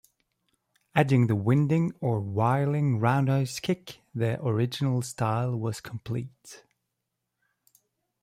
Adding the Winding or Whirling Roundhouse Kick the original style was complete.